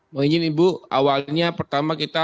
mengingin ibu awalnya pertama kita